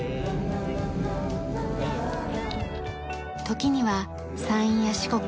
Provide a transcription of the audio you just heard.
時には山陰や四国